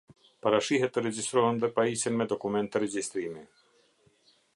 Parashihet të regjistrohen dhe pajisen me dokument regjistrimi.